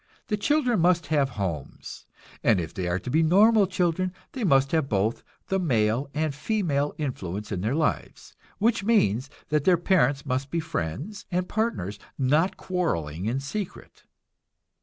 The children must have homes, and if they are to be normal children, they must have both the male and female influence in their lives; which means that their parents must be friends and partners, not quarreling in secret.